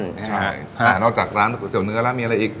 ใช่ไม่ออกจากร้านเสียวเนื้อแม้มีอะไรอีก